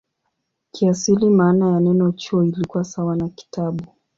Kiasili maana ya neno "chuo" ilikuwa sawa na "kitabu".